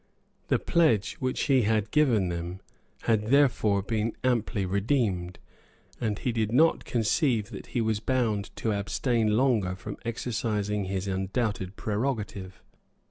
The pledge which he had given had therefore been amply redeemed; and he did not conceive that he was bound to abstain longer from exercising his undoubted prerogative.